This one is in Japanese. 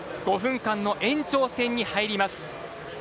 ５分間の延長戦に入ります。